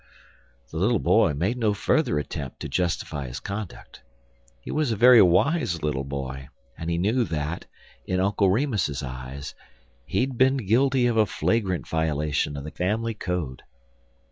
The little boy made no further attempt to justify his conduct. He was a very wise little boy, and he knew that, in Uncle Remus's eyes, he had been guilty of a flagrant violation of the family code.